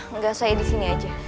engga saya disini aja